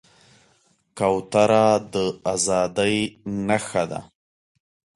کوتره د ازادۍ نښه ده.